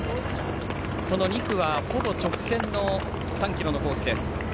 ２区は、ほぼ直線の３ｋｍのコースです。